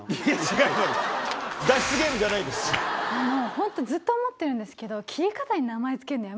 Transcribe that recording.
本当ずっと思ってるんですけど。